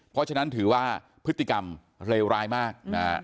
เพราะฉะนั้นถือว่าพฤติกรรมเลวร้ายมากนะฮะ